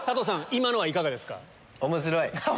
今のはいかがですか？